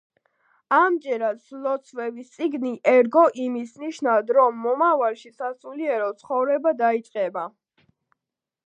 ამჯერად ლოცვების წიგნი ერგო, იმის ნიშნად რომ მომავალში სასულიერო ცხოვრება დაიწყებდა.